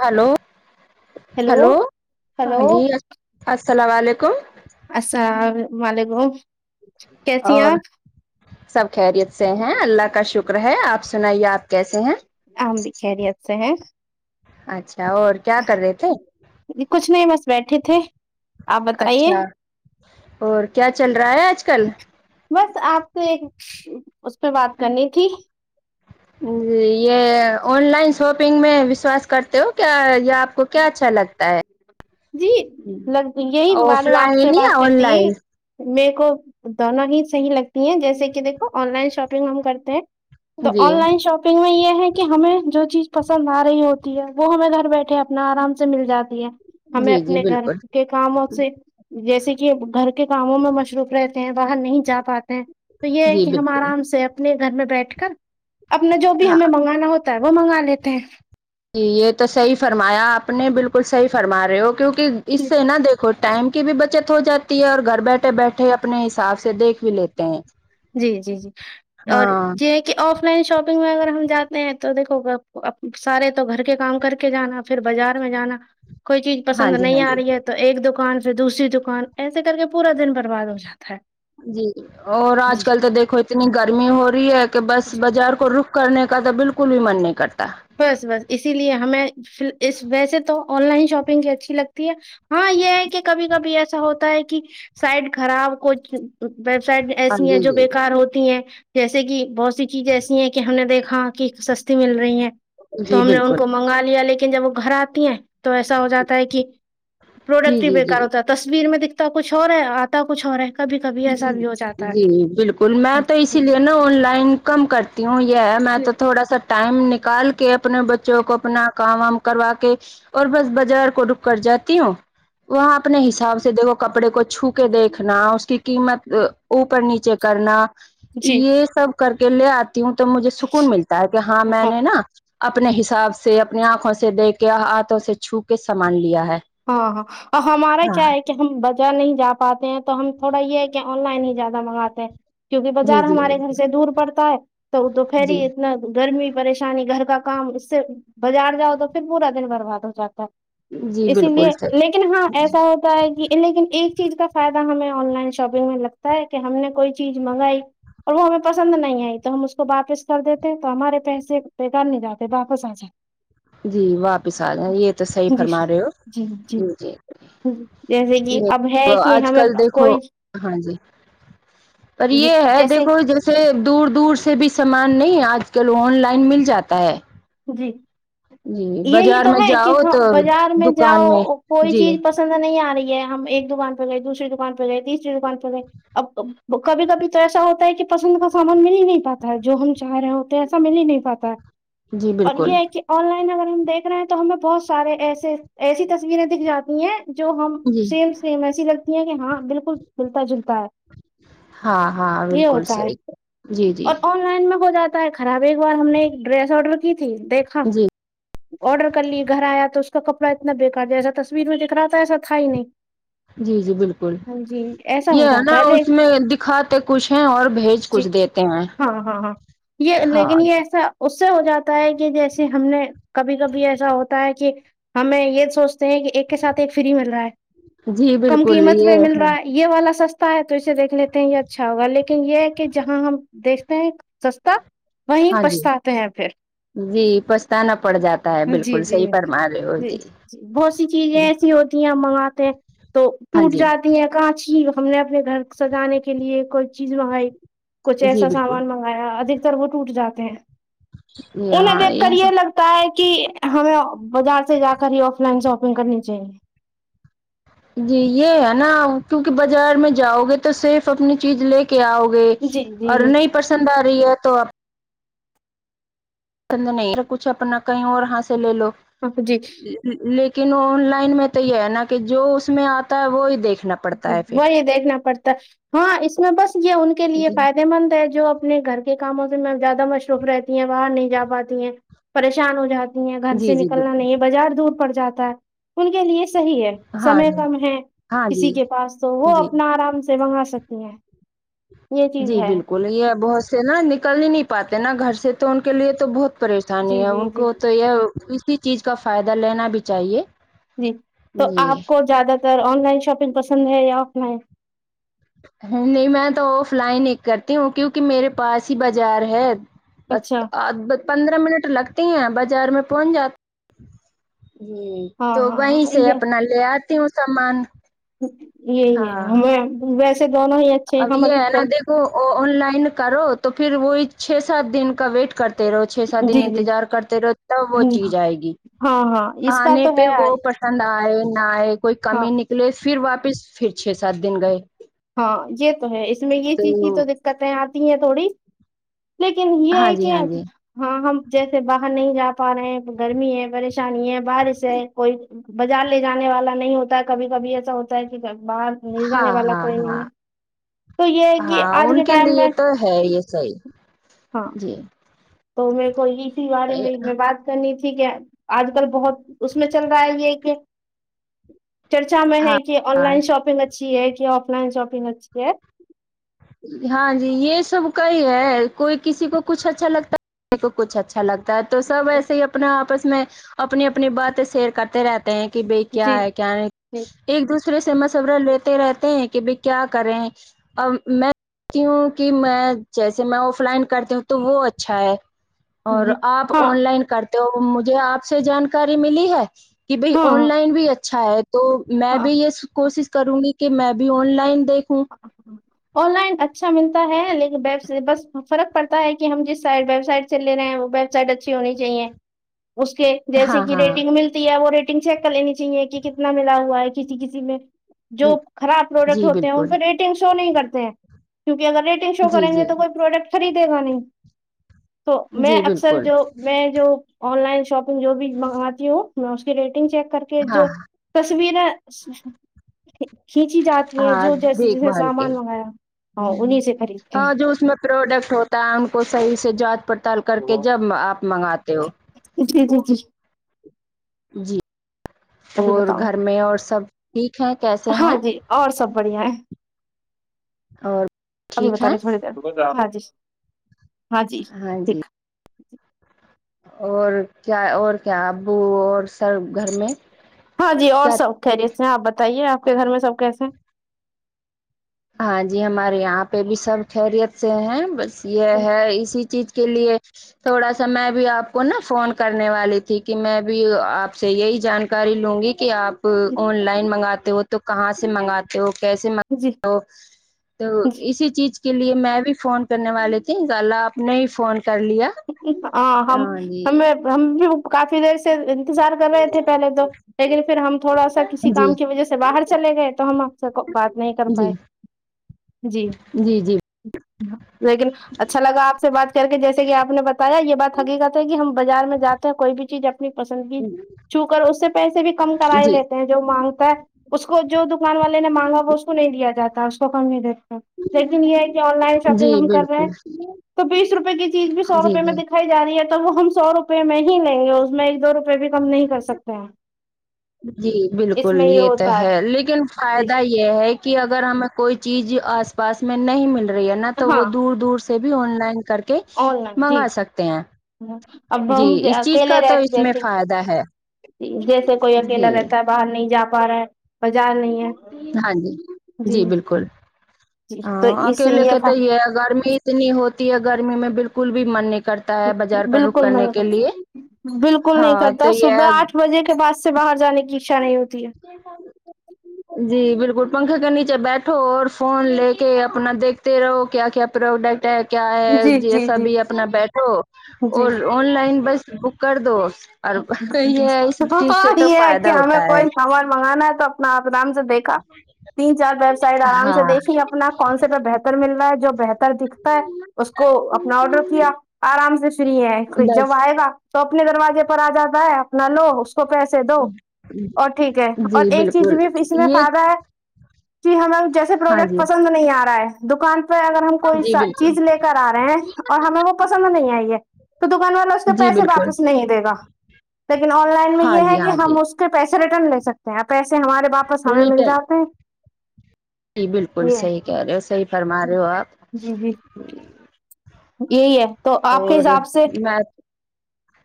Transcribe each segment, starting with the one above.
hello hello ہاں hello جی السلام علیکم السلام علیکم کیسی ہیں اور آپ سب خیریت سے ہیں اللہ کا شکر ہے آپ سنائیے آپ کیسے ہیں آم بھی خریت سے ہیں اچھا اور کیا کر رہے تھے کچھ نہیں بس بیٹھے تھے آپ بتائیے اچھا اور کیا چل رہا ہے آج کل بس آپ سے ایک اس پہ بات کرنی تھی جی یہ آن لائن شاپنگ میں وشواس کرتے ہو کیا یہ آپ کو کیا اچھا لگتا ہے جی یہ ہی آف معلوم آپ سے لائن یا بات آن کرتی ہے لائن میرے کو دونوں ہی صحیح لگتی ہیں جیسے کہ دیکھو آن لائن شاپنگ ہم کرتے ہیں تو جی آن لائن شاپن گ میں یہ ہے کہ ہمیں جو چیز پسند آ رہی ہوتی ہے وہ ہمیں گھر بیٹھے اپنا آرام سے مل جاتی ہے جی ہمیں جی اپنے گھر بالکل کاموں سے جیسے کہ گھر کے کاموں میں مصروف رہتے ہیں باہر نہیں جا پاتے ہیں تو یہ ہے جی کہ ہم آرام بالکل سے اپنے گھر میں بیٹھ کر اپنا جو بھی ہمیں منگانا ہوتا تا ہے وہ منگا لیتے ہیں یہ تو صحیح فرمایا آپ نے بالکل صحیح فرما رہے ہو کیونکہ اس سے نہا دیکھو ٹائم کی بھی بچت ہو جاتی ہے اور گھر بیٹھے بیٹھے اپنے حساب سے دیکھ بھی لیتے ہیں جی جی جی اور ہاں یہ ہے کہ آف لائن شاپنگ میں اگر ہم جاتے ہیں تو دیکو سارے تو گھر کے کام کر کے جانا پھر بازار میں جانا کوئی چیز ہاں پسند جی نہیں ہاں آ جی رہی ہے تو ایک دکان سے دوسری دکان ایسے کر کے پورا دن برباد ہو جاتا ہے جی ج اور جی آج کل تو دیکھو اتنی گرمی ہو رہی ہے کہ بس جی بازار کو رک کرنے کا تو بالکل بھی من نہیں کرتا بس بس اسی لیے ہمیں اس ویسے تو آن لائن شاپنگ کی اچھی لگتی ہے ہاں یہ ہے کہ کبھی کبھی ایسا ہوتا ہے کہ سائڈ خراب کھ ویب سائٹ ہاں ایسی ہیں جی جو جی بےیکار ہوتی ہیں جیسے کہ بہت سی چیزیں ایسی ہیں کہ ہم نے دیکھا کہ سستی مل رہی ہیں تو جی ہم نے ان بالکل کو منگا لیا لیکن جب وہ گھر آتی ہیں تو ایسا ہو جاتا ہے کہ جی پروڈکٹ ہی جی جی بیکار ہوتا ہے تصویر میں دکھتا کچھ اور ہے آتا کچھ اور ہے کبھی کبھی ایسا بھی ہو جاتا ہے ج بالکل ب میں تو اسی لیے نا آن لائن کم کرتی ہوں یہ ہے میں تو تھوڑا سا ٹائم نکال کہ اپنے بچوں کو اپنا کام وام کروا کے اور بس بازار کو رک کر جاتی ہوں ک وہاں اپنے حساب سے دیکھو کپڑے کو چھو کے دیکھنا اس کی قیمت اوپر نیچے کرنا جی یہ سب کر کے لے آ ہوں تو مجھے سکون ملتا ہے کہ ہاں میں نے نا اپنے حساب سے اپنی آنکھوں سے دیکھ کے ہاتھوں سے چھو کے سامان لیا ہے ہاں ہاں اور ہمارا ہاں کیا ہے کہ ہم بازار نہیں جا پاتے ہیں تو ہم تھوڑا یہ ہے کہ آن لائن ہی زیادہ منگاتے ہیں کیوںکہ جی بازار جی ہمارے گھر سے دور پڑتا ہے تو دوپہری جی اتنا گرمی پریش پریشانی گھر کا کام اس سے بازار جاؤ تو پھر پورا دن برباد ہو جاتا ہے جی اسی لیے بالکل صحیح لیکن ہاں ایسا ہوتا لیکن ایک چیز کا فائدہ ہمیں آن لائن شاپنگ میں لگتا ہے کہ ہم نے کوئی چیز منگائی اور وہ ہمیں پسند نہیں آئی تو ہم اس کو واپس کر دیتے تو ہمارے پیسے پے کر نہیں جاتے واپس آ جات جی واپس آ جائیں یہ تو صحیح جی فرما رہے ہو جی جیسے کہ جی اب ہے یہ کہ آج ہمیں کل دیکھو کوئی ہاں جی پر یہ ہے دیکھو جیسے دور دور سے بھی سامان نہیں آج کل آن لائن مل جاتا ہے جی جی یہی بازار تو میں ہے کہ جاؤ ہاں تو بازار میں دکان میں جاؤ کوئی جی چیز پس پسند نہیں آ رہی ہے ہم ایک دکان پہ گئے دوسری دکان پہ گئے تیسری دکان پہ گئے اب کبھی کبھی تو ایسا ہوتا ہے کہ پسند کا سامان مل ہی نہیں پاتا ہے جو ہم چاہ رہے ہیں ہوتے ہیں ایسا مل ہی نہیں پاتا ہے جی اور یہ بالکل ہے کہ آن لائن اگر ہم دیکھ رہے ہیں تو ہمیں بہت سارے ایسے ایسی تصویریں دکھ جاتی ہیں جو ہم جی سیم سیم ایسی لگتی ہیں کہ ہاں بالکل ملتا جلتا ہے ہاں ہاں یہ بالکل ہوتا ہے صحیح جی جی اور آن لائن میں ہو جاتا ہے خراب ایک بار ہم نے ایک ڈریس آڈر کی تھی دیکھا جی آڈر کر لی گھر آیا تو اس کا کپڑا اتنا بےیکار ایسا تصویر میں دکھ رہا تھا ایسا تھا ہی نہیں جی جی بالکل ہاں جی ایسا یہ ہو ہے نا جاتا دیکھ اس میں دکھاتے کچھ ہیں اور بھیج جی کچھ دیتے ہیں ہاں ہاں ہاں یہ ہاں لیکن یہ ایسا اس سے ہو جاتا ہوتا ہے کہ جیسے ہم نے کبھی کبھی ایسا ہوتا ہے کہ ہمیں یہ سوچتے ہیں کہ ایک کے ساتھ ایک فری مل رہا ہے جی کم بالکل قیمت پہ یہ مل ہاں رہا ہے یہ والا سستا ہے تو اسے دیکھ لیتے ہیں یہ اچھا ہوگا لیکن یہ ہے کہ جہاں ہم دیکھتے ہیں سستا وہیں ہاں جی پچھتاتے ہیں پھر جی پچھتانا پڑ جاتا ہے جی بالکل جی صحیح جی فرما رہے ہو جی بہت سی چیزیں ایسی ہوتی ہیں ہم منگواتے ہیں تو ہاں ٹوٹ جی جاتا کانچکی ہم نے اپنے گھر سجانے کے لیے کوئی چیز منگائی کچھ جی ایسا بالکل سامان منگا منگایا ادکتر وہ ٹوٹ جاتے ہیں جی انہیں ہاں دیکھ کر یہ سب لگتا تا ہے کہ ہمیں بازار سے جا کر ہی آف لائن شاپنگ کرنی چاہیے جی یہ ہے نا کیونکہ بازار میں جاؤ گے تو صرف اپنی چیز لے کے کہ آؤ گے جی جی اور نہیں پسند آ رہی ہے تو آپ پسند نہیں ا کچھ اپنا کہیں اور ہا سے لے لو جی لیکن آن لائن میں تو یہ ہے نا کہ جو اس میں آتا ہے وہی دیکھنا پڑتا ہے پھر وہی دیکھنا پڑتا ہاں اس میں بس یہ ان کے لیے جی فائدے مند ہے جو اپنے گھر کو کے کاموں سے میں زیادہ مصروف رہتی ہیں باہر نہیں جا پاتی ہیں پریشان ہو جاتی تی ہے گھر سے جی جی نکلنا نہیں ہے بالکل بازار دور پڑ جاتا ہے ان کے لیے صحیح ہے ہاں سمے جی کم ہے ہاں کسی جی کے پاس تو وہ جی اپنا آرام سے منگا سکتی ہیں یہ چیز جی ہے بالکل یہ بہت سے نا نکل ہی نہیں پاتے نا گھر سے تو ان کے لیے تو بہت پریشانی جی ہے جی ان جی کو تو یہ اسی چیز کا فائدہ لینا بھی چاہیے جی تو جی آپ کو زیادہ تر آن لائن شاپنگ پسند ہے یا آف لائن نہیں میں تو آف لائن ایک کرتی ہوں کیوںکہ میرے پاس ہی بازار ہے اچھا [unintelligible] پندرہ منٹ لگتی ہیں بازار میں پہنچ جاتے ہاں تو ہاں ہاں وہیں سے یہ اپنا لے آتی ہوں سامان یہی ہے ہاں ہمیں ویسے دونوں ہی اچھے ہیں اب ہم یہ ہے نا ادھکتر دیکھو آن لائن کرو تو پھر وہی چھ سات دن کا ویٹ کرت کرتے رہو چھ ساتھ دن جی جی انتظار کرتے رہو تب وہ ہاں چیز آئے گی ہاں اس کا تو ہے [unintelligible] پسند آئے نہ آئے کوئی ہاں کمی نکلے پھر واپس پھر چھ سات دن گئے ہاں یہ تو ہے اس میں یہ چیز کی تو دقتیں آتی ہیں تھوڑی لیکن یہ ہاں ہے جی کہ ہاں جی ہاں ہم جیسے باہر نہیں جا پا رہے ہیں گرمی ہے پریشانی ہے بارش ہے کوئی بازار لے جانے والا نہیں ہوتا ہے کبھی کبھی ایسا ہوتا ہے کہ باہر لے ہاں جانے والا ہاں کوی نہیں ہے ہاں تو یہ ہے کہ ہاں آج ان کے ٹائم لیے میں تو ہے یہ صحیح ہاں جی تو میرے کو اسی بارے میں میں بات کرنی تھی کہ آج کل بہت اس میں چل رہا ہے یہ کہ چرچا میں ہاں ہے کہ آن لائن شاپنگ اچ اچھی ہے کہ آف لائن شاپنگ اچھی ہے ہاں جی یہ سب کائی ہے کوئی کسی کو کچھ اچھا لگتا ہے ک کو کچھ اچھا لگتا تو سب ایسے ہی اپنا آپس میں اپنی اپنی باتیں سیر کرتے رہتا کہ بھائی کیا جی ہے کیا نہیں جی ایک دوسرے سے مشورہ لیتے رہتے ہیں کہ بھ کیا کریں ا میںتی ہوں کہ میں جیسے میں آف لائن کرتی ہوں تو وہ اچھا ہے اور جی آپ ہاں آن لائن کرتے تو مجھے آپ سے جانکاری ملی ہے کہ بھائی آن ہاں لائن بھی اچھا ہے تو میں ہاں بھی یہ کوشش کروں گی کہ میں بھی آن لائن دیکھوں اچ آن لائن اچھا ملتا ہے لیکن ویب بس فرق پڑتا ہے کہ ہم جس سائ ویب سائٹ سے ل رہ ہیں وہ ویب سائٹ اچھی ہونی چاہیے اس کے جیسے ہاں کہ ہاں ریٹنگ ملتی ہے وہ ریٹن چیک کر لینی چاہے کہ کتنا ملا ہوا ہے کسی کسی میں جو خراب پروڈکٹ جی ہوتا بالکل پہ ریٹنگ شو نہیں کرتے ہیں کیونکہ اگر ریٹنگ شو جی کریں گے جی تو کوئی پروڈکٹ خریدے گا نہیں تو میں جی اکثر بالکل جو میں جو آن لائن شاپنگ جو بھی منگواتی ہوں میں اس کی ریٹنگ چیک کر کے ہاں جو تصویریں کھینچی جاتی ہیں ہاں جو جیسے دیکھ جیسے بھال کے سامان منگایا ہاں انہیں سے خریدتی ہ ہاں جو اس میں پروڈکٹ ہوتا ہے ان کو صحیح سے جانچ پڑتال کر کے جب آپ منگاتے ہو جی جی جی جی ابھی اور بتاؤ گھر میں اور سب ٹھیک ہیں کیسے ہاں ہیں جی اور سب بڑھیا ہے اور ابھی ٹھیک بت ہیں رہے تھوڑی دیر ہاں جی ہاں جی ہاں ٹھیک جی اور کیا اور کیا ابو اور سر گھر میں ہاں جی اور کیا سب خیریت سے ہیں آپ بتائیے آپ کے گھر میں سب کیسے ہیں ہاں جی ہمارے یہاں پہ بھی سب خیریت سے ہیں بس ہیں یہ ہے اسی چیز کے لیے تھوڑا سا میں بھی آپ کو نا فون کرنے والی تھی کہ میں بھی آپ سے یہی جان اری لوں گی کہ آپ آن لائن منگاتے ہو تو کہاں سے منگاتے ہو کیسے جی تو تو جی اسی چیز کے لیے میں بھی فون کرنے والے تھی ا آپ نے ہی فون کر لیا ہاں ہم ہمیں ہم کافی دیر سے انتظار کر رہے تھے پہلے تو لیکن پھر ہم تھوڑا سا کسی جی کام کی وجہ سے سے باہر چلے گئے تو ہم آپ سے بات نہیں کر جی پائے جی جی جی لیکن اچھا لگا آپ سے بات کر کے جیسے ج سے کہ آپ نے بتایا یہ بات حقیقت ہے کہ ہم بازار میں جاتے ہیں کوئی بھی چیز اپنی پسندگی چو کر اس سے پیسے بھی کم کرائی جی لیتے ہیں جو مانگتا ہے اس کو جو دکان والے نے مانگا وہ نہیں دیا جاتا اس کو کم ہی دی لیکن یہ ہے کہ آن لائن جی شاپنگ ہم کر رہے ہیں بالکل جی تو بیس روپے کی چیز بھی سو روپئے میں جی دکھ کھائی جا رہی ہے تو وہ ہم سو روپے میں ہی لیں گے اس میں ایک دو روپے بھی کم نہیں کر سکتے ہیں جی اس بالکل میں یہ تو ہوتا ہے لیکن جی فائدہ ہی یہ ہے کہ اگر ہمیں کوئی چیز آس پاس میں نہیں مل رہی ہے نا تو ہاں وہ دور دور سے بھی آن لائن کر کے آن کے لائن جی منگا سکتے ہیں اب جی ہم اس چیز کا اکیلے تو رہ اس میں جیسے فائدہ ہے جیسے کوئی اکیلا جی رہتا ہے باہر نہیں جا پا رہا ہے بازار نہیں ہے ہاں جی جی بالکل جی تو ہاں اس سے اکیلے کے تو یہ ہے گرمی اتنی ہوتی ہے گرمی میں بالکل بھی مننے بالکل م بالکل نہیں ہاں تو کرتا صبح یہ آٹھ بجے کے بعس سے باہر جانے کی اچھا نہیں ہوتی ہے [unintelligible] جی بالکل پنکھا کے نیچے بیٹھو اور فون لے کے اپنا دیکھ تیرا وہ کیا کیا پروڈکٹ ہے کیا ہے جی جی جیسا جی بھی اپنا بیٹھو جی اور آن لائن بس بک کر دو اور یہ ہے اس چیز سے تو یں فائدہ ہوتا ہے کوئی سامان منگانا ہے تو اپنا آپرام دیکھا تین چار ویب سائٹ آرام سے ہاں دیکھی اپنا کون سے پ بہتر ملرا ہے جو بہتر دکھتا ہے اس کو اپنا آڈر کیا آرام سے فری ہے ک جب بس آئے گا تو اپنے دروازے پر آ جاتا ہے اپنا لو اس کو پیس سے دو اور ٹھیک ہے اور جی ایک چیز بالکل بھی اس میں یہ فائدہ ہے ج ہمیں جیسے ہاں پروڈکٹ جی پسند نہیں آ رہا ہے دکان پ اگر ہم کوئی جی سا بالکل چیز لے کر آ رہے ہیں اور ہمیں وہ پسند نہیں آئی ہے تو دکان والا اس کے جی پیسے بالکل واپس نہیں دے گا لیکن آن لائن میں ہاں یہ ہے جی کہ ہاں جی ہم اس کے پیسے ریٹرن لے سکتے پیسے ہمارے واپس ہمیں مل ریٹرن جاتے ہیں جی بالکل یہ صحیح کہہ رہے ہو صحیح فرما رہے ہو آپ جی جی یہی ہے تو آپ کے اور حساب سے میں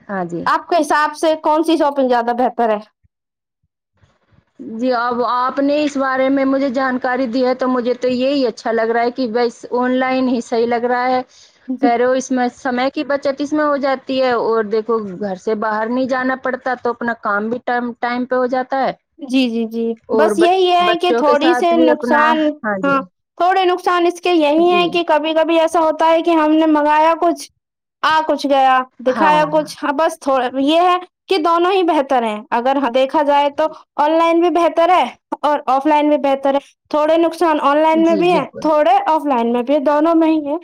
ہاں جی آپ کے حساب سے کون سی شاپنگ زیادہ بہتر ہے جی اب آپ نے اس بارے میں مجھے جانکاری دی ہے تو مجھے تو یہی اچا اچھا لگ رہا ہے کہ بس آن لائن ہی صحیح لگ رہا ہے ہے کہہ رہے ہو اس میں سمے کی بچت اس میں ہو جاتی ہے اور دیکھو گھر سے باہر نہیں جانا پڑتا تو اپنا کام بھی ٹم ٹائم پہ ہو جاتا ہے جی جی جی اور بس یہی یہ بچ- ہے کہ بچوں کے تھوڑی ساتھ سی بھی اپنا نقصان جی ہاں تھوڑے نقصان اس کے یہیں جی ہے کہ کبھی کبھی ایسا ایسا ہوتا ہے کہ ہم نے منگایا کچھ آ کچھ گیا ہاں دکھایا ہاں کچھ ہا بس تھو یہ ہے کہ دونوں ہی بہتر ہیں اگر ہا دیکھا جائے تو آن لائن بھی بہتر ہے اور آف لائن بھی بہتر ہے تھوڑے نقص ان آن لائن میں جی بھی ہے بالکل تھوڑے آف لائن میں بھی ہے دونوں میں ہی ہے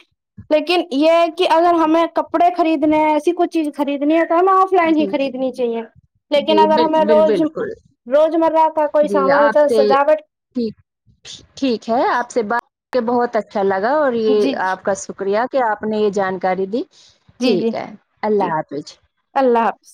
لیکن یہ ہے کہ اگر ہمیں کپڑے خریدنے ہیں ایسی کوئی چیز خریدنی ہے تو ہم آ ف لائن ہی جی جی خریدنی جی چاہیے لیکن جی اگر ہمیں بال روج بالکل روجمرہ کا کوئی جی سامان آپ چل سے سجاوٹ ٹھیک ٹھیک ہے آپ سے بات کہ بہت اچھا لگا اور جی یہ آپ کا سکریہ کہ آپ نے یہ جانکاری دی جی جی ٹھیک ہے جی اللہ حافظ اللہ حافظ